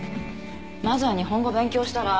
まずは日本語勉強したら？